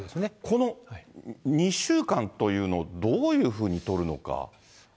この２週間というの、どういうふうに取るのか。